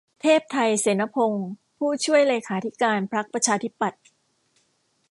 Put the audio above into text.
เทพไท เสนพงศ์ ผู้ช่วยเลขาธิการพรรคประชาธิปัตย์